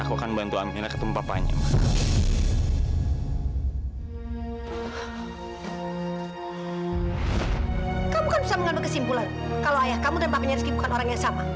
kalau ayah kamu dan papahnya rizky bukan orang yang sama